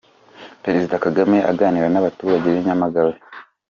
Perezida Kagame aganira n'abaturage b'i Nyamagabe.